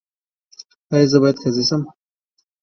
ایا زه باید قاضي شم؟